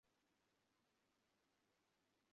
সব পরিস্থিতিতে খাপ খাইয়ে চলার চেষ্টা আপনাকে করতে হবে।